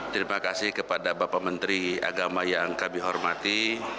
terima kasih kepada bapak menteri agama yang kami hormati